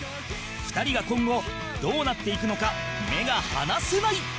２人が今後どうなっていくのか目が離せない！